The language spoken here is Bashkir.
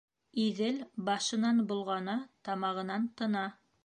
Иҙел башынан болғана, тамағынан тына.